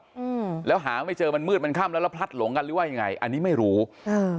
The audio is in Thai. อืมแล้วหาไม่เจอมันมืดมันค่ำแล้วแล้วพลัดหลงกันหรือว่ายังไงอันนี้ไม่รู้อ่า